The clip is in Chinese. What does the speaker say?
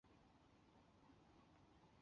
佩勒雷人口变化图示